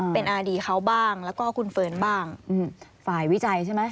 เป็นอดีตเขาบ้างแล้วก็คุณเฟิร์นบ้างฝ่ายวิจัยใช่ไหม